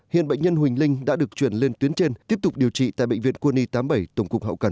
hiện bệnh nhân huỳnh linh đã được chuyển lên tuyến trên tiếp tục điều trị tại bệnh viện quân y tám mươi bảy tổng cục hậu cần